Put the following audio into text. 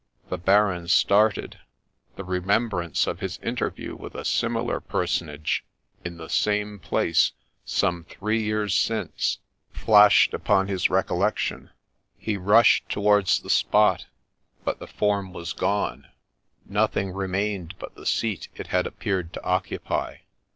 The* Baron started : the remembrance of his interview with a similar personage hi the same place, some three years since, flashed upon his recollection. He rushed towards the spot, but the form was gone ;— nothing remained but the seat it had appeared to occupy.